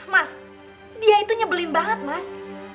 mas dia itu nyebelin banget mas